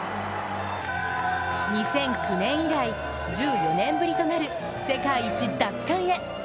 ２００９年以来、１４年ぶりとなる世界一奪還へ。